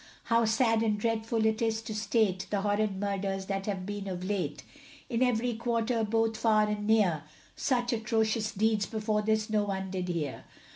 How sad and dreadful it is to state, The horrid murders that have been of late; In every quarter both far and near, Such atrocious deeds before this no one did hear.